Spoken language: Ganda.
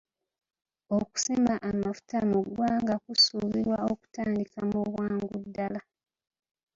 Okusima amafuta mu ggwanga kusuubirwa okutandika mu bwangu ddala.